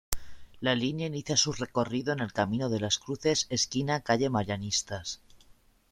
La línea inicia su recorrido en el Camino de las Cruces esquina calle Marianistas.